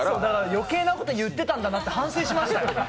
余計なこと言ってたんだなって反省しましたよ。